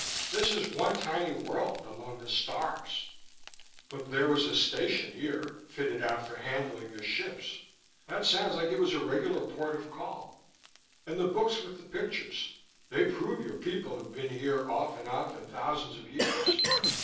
This is one tiny world, among the stars." "But there was a station here, fitted out for handling your ships. That sounds like it was a regular port of call. And the books with the pictures: they prove your people have been here off and on for thousands of years.